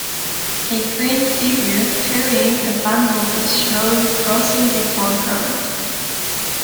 A green figure carrying a bundle is shown crossing the foreground.